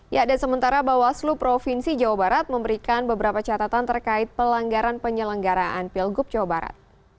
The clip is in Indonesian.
ya dan sementara bawaslu provinsi jawa barat memberikan beberapa catatan terkait pelanggaran penyelenggaraan pilgub jawa barat